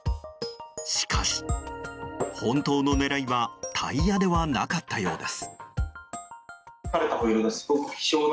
しかし、本当の狙いはタイヤではなかったようです。